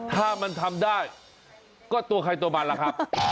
ถ้ามันทำได้ก็ตัวใครตัวมันล่ะครับ